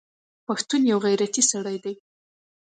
پښتون یوغیرتي سړی دی